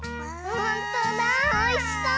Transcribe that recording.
ほんとだおいしそう！